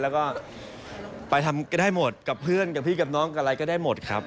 แล้วก็ไปทำก็ได้หมดกับเพื่อนกับพี่กับน้องกับอะไรก็ได้หมดครับ